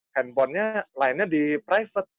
handphonenya lainnya di private